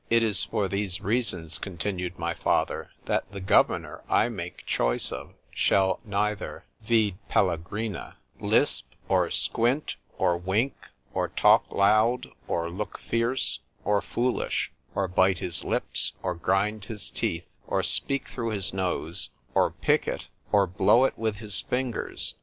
It is for these reasons, continued my father, that the governor I make choice of shall neither lisp, or squint, or wink, or talk loud, or look fierce, or foolish;——or bite his lips, or grind his teeth, or speak through his nose, or pick it, or blow it with his fingers.